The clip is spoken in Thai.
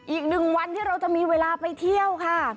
อีกหนึ่งวันที่เราจะมีเวลาไปเที่ยวค่ะ